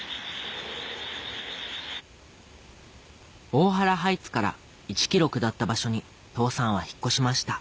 大原ハイツから１ｋｍ下った場所に父さんは引っ越しました